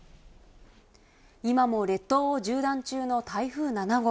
今も列島を縦断中の台風７号。